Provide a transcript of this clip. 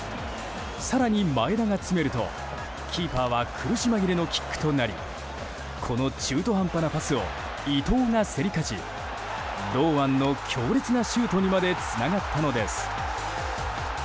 更に前田が詰めると、キーパーは苦し紛れのキックとなりこの中途半端なパスを伊東が競り勝ち堂安の強烈なシュートにまでつながったのです。